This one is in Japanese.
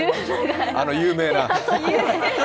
あの有名な。